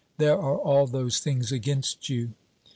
There are all those things against you.